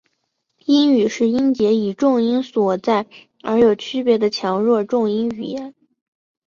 英语是音节以重音所在而有区别的强弱重音语言。